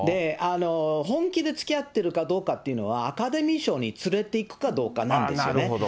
本気でつきあってるかどうかっていうのは、アカデミー賞に連れて行くかどうかなんですよね。